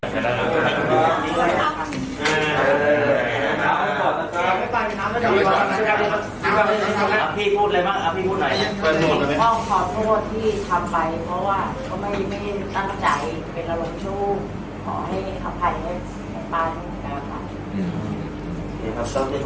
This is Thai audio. ขอโทษทุกคนที่ทำไปเพราะว่าไม่ได้ตั้งใจเป็นระดับช่วง